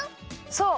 そう！